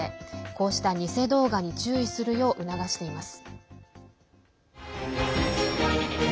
こうした偽動画に注意するよう促しています。